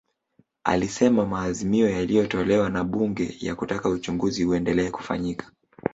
Alisema maazimio yaliyotolewa na Bunge ya kutaka uchunguzi uendelee kufanyika